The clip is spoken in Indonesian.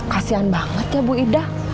kasian banget ya bu ida